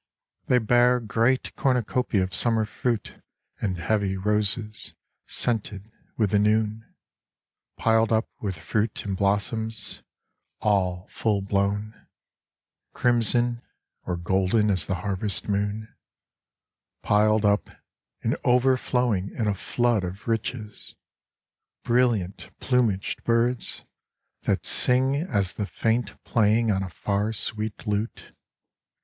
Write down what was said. They bear Great cornucopia of summer fruit And heavy roses scented with the noon — Piled up with fruit and blossoms, all full blown, 9 Cornucopia. Crimson, or golden as the harvest moon — Piled up and overflowing in a flood Of riches ; brilliant plumaged birds, that sing As the faint playing on a far sweet lute.